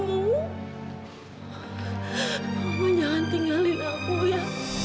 kamu jangan tinggalin aku ya